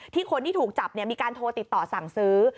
คนที่ถูกจับมีการโทรติดต่อสั่งซื้อ